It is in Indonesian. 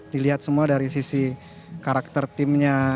dilihat semua dari sisi karakter timnya